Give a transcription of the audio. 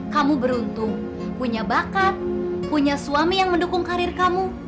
kamu beruntung punya bakat punya suami yang mendukung karir kamu